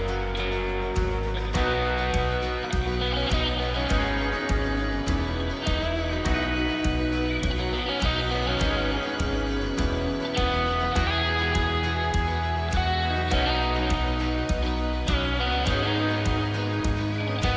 untuk trial atau memang udah langsung